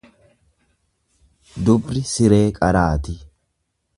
Dubri siree qaraati.